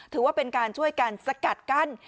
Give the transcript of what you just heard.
ถือว่าเป็นการช่วยกันสกัดกั้น